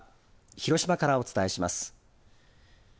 広島からお伝えします。